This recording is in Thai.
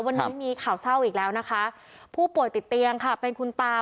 วันนี้มีข่าวเศร้าอีกแล้วนะคะผู้ป่วยติดเตียงค่ะเป็นคุณตา